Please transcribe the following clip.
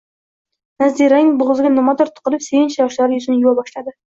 Naziraning bo`g`ziga nimadir tiqilib sevinch yoshlari yuzini yuva boshladi